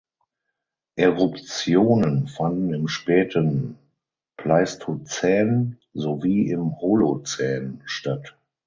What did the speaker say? Eruptionen fanden im späten Pleistozän sowie im Holozän statt.